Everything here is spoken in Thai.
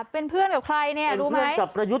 เป็นเพื่อนกับใครรู้มั้ย